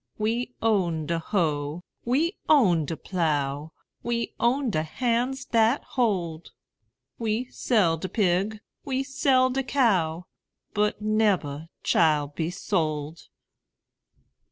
We own de hoe, we own de plough, We own de hands dat hold; We sell de pig, we sell de cow, But nebber chile be sold.